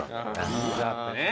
イーズアップね。